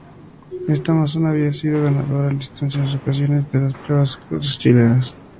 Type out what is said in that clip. Esta amazona había sido ganadora en distintas ocasiones de las Pruebas Ecuestres Chilenas.